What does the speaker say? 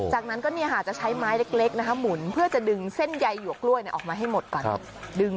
จากนั้นก็จะใช้ไม้เล็กหมุนเพื่อจะดึงเส้นใยหยวกกล้วยออกมาให้หมดก่อน